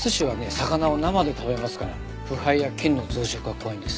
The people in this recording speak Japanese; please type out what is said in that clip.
魚を生で食べますから腐敗や菌の増殖が怖いんです。